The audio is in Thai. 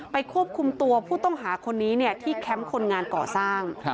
ควบคุมตัวผู้ต้องหาคนนี้ที่แคมป์คนงานก่อสร้าง